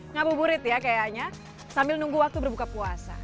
ngabuburit ya kayaknya sambil nunggu waktu berbuka puasa